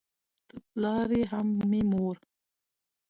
ته پلار یې هم مې مور